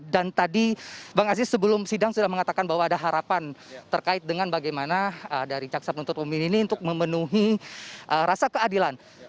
tadi bang aziz sebelum sidang sudah mengatakan bahwa ada harapan terkait dengan bagaimana dari jaksa penuntut umum ini untuk memenuhi rasa keadilan